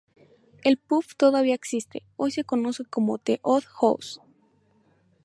El pub todavía existe, hoy se conoce como the Odd House.